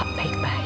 bapak baik baik ya